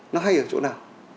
nó hay ở chỗ nào